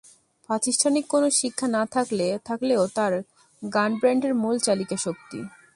প্রাতিষ্ঠানিক কোন শিক্ষা না থাকলেও তার গান ব্যান্ডের মূল চালিকাশক্তি।